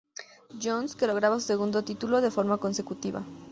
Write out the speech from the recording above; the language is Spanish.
John's, que lograba su segundo título de forma consecutiva.